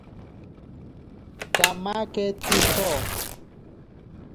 Kamake tziso.